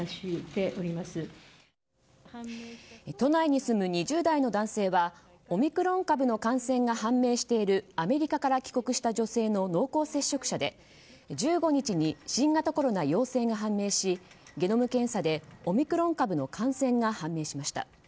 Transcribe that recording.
都内に住む２０代の男性はオミクロン株の感染が判明しているアメリカから帰国した女性の濃厚接触者で１５日に新型コロナ陽性が判明しゲノム検査でオミクロン株の感染が判明しました。